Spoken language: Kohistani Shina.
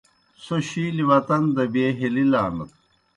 څھو شِیلیْ وطن دہ بیے ہیلِلانَت۔